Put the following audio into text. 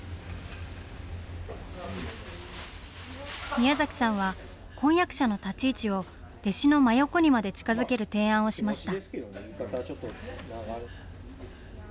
宮崎さんは、婚約者の立ち位置を弟子の真横にまで近づける提案をしました。